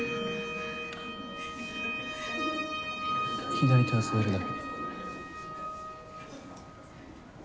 左手は添えるだけ。